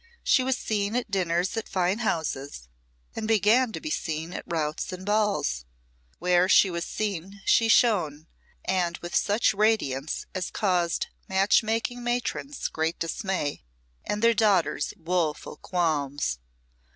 She was seen at dinners at fine houses, and began to be seen at routs and balls. Where she was seen she shone, and with such radiance as caused matchmaking matrons great dismay, and their daughters woeful qualms.